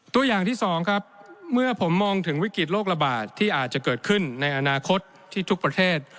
ตัวอย่างที่สองครับเมื่อผมมองถึงวิกฤตโลกระบาดที่อาจจะเกิดขึ้นในอนาคตที่ทุกประเทศ